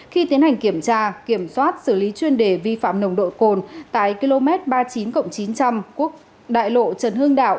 khi tiến hành kiểm tra kiểm soát xử lý chuyên đề vi phạm nồng độ cồn tại km ba mươi chín chín trăm linh quốc đại lộ trần hương đạo